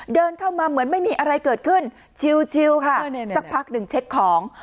เดินเข้ามาเหมือนไม่มีอะไรเกิดขึ้นชิวค่ะสักพักหนึ่งเช็คของ